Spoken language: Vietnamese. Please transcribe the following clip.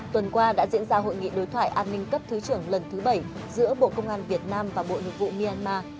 tuần qua đã diễn ra hội nghị đối thoại an ninh cấp thứ trưởng lần thứ bảy giữa bộ công an việt nam và bộ nội vụ myanmar